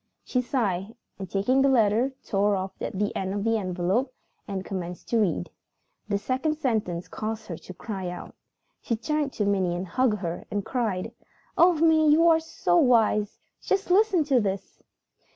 She sighed and, taking the letter, tore off the end of the envelope and commenced to read. The second sentence caused her to cry out. She turned to Minnie, hugged her, and cried, "Oh, Minnie, you are so wise! Just listen to this!"